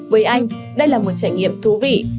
với anh đây là một trải nghiệm thú vị